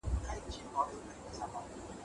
ژړا ويـنمه خوند راكوي